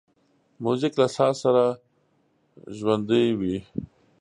موزیک له ساز سره ژوندی وي.